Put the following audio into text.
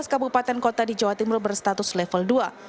tujuh belas kabupaten kota di jawa timur berstatus level dua